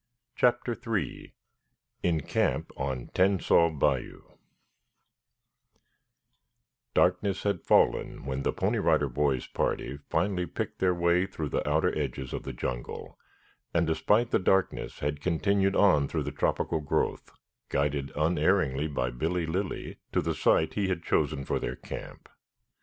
CHAPTER III IN CAMP ON TENSAS BAYOU Darkness had fallen when the Pony Rider Boys party finally had picked their way through the outer edge of the jungle, and, despite the darkness, had continued on through the tropical growth, guided unerringly by Billy Lilly to the site he had chosen for their camp.